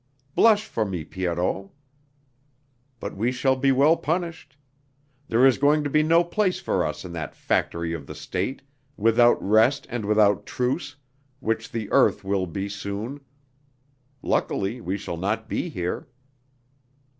Blush for me, Pierrot!... But we shall be well punished! There is going to be no place for us in that factory of the State, without rest and without truce, which the earth will be soon.... Luckily we shall not be here!"